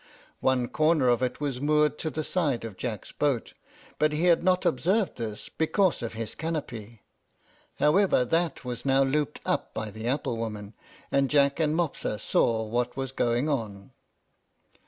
One corner of it was moored to the side of Jack's boat; but he had not observed this, because of his canopy. However, that was now looped up by the apple woman, and Jack and Mopsa saw what was going on.